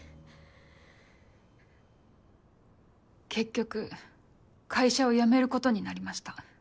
結局会社を辞めることになりました。